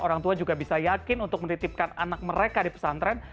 orang tua juga bisa yakin untuk menitipkan anak mereka di pesantren